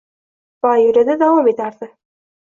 Va yoʻlida davom etardi.